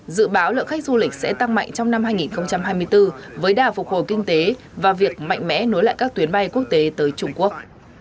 dự báo lượng khách du lịch sẽ tăng mạnh trong năm hai nghìn hai mươi bốn với đà phục hồi kinh tế và việc mạnh mẽ nối lại các tuyến bay quốc tế tới trung quốc